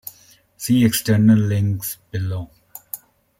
See External Links below.